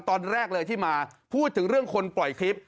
ตอนแรกเลยที่มาพูดถึงเรื่องคนปล่อยคลิป